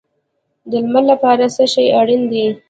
د لمر لپاره څه شی اړین دی؟